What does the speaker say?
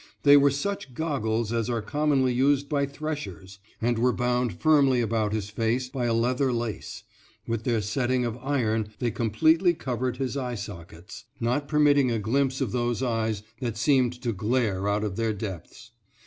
They were such goggles as are commonly used by threshers, and were bound firmly about his face by a leather lace; with their setting of iron they completely covered his eye sockets, not permitting a glimpse of those eyes that seemed to glare out of their depths.